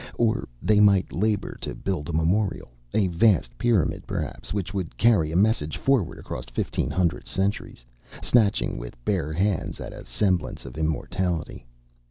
Or they might labor to build a memorial, a vast pyramid, perhaps, which would carry a message forward across fifteen hundred centuries, snatching with bare hands at a semblance of immortality.